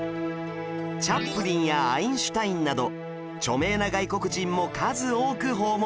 チャップリンやアインシュタインなど著名な外国人も数多く訪問しています